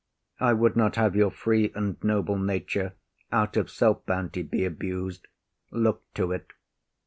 I would not have your free and noble nature, Out of self bounty, be abus’d. Look to’t.